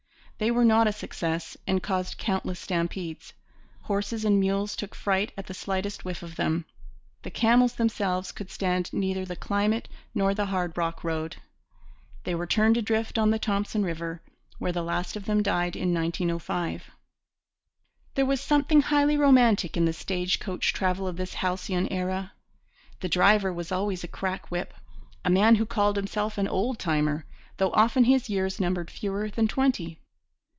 They were not a success and caused countless stampedes. Horses and mules took fright at the slightest whiff of them. The camels themselves could stand neither the climate nor the hard rock road. They were turned adrift on the Thompson river, where the last of them died in 1905. There was something highly romantic in the stage coach travel of this halcyon era. The driver was always a crack whip, a man who called himself an 'old timer,' though often his years numbered fewer than twenty.